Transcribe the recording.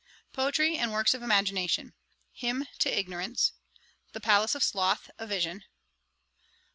'POETRY and works of IMAGINATION. 'Hymn to Ignorance. 'The Palace of Sloth, a vision.